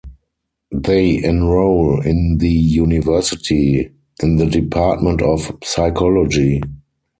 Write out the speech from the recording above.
They enroll in the University in the Department of Psychology.